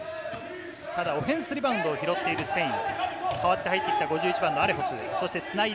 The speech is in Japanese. オフェンスリバウンドを拾っているスペイン。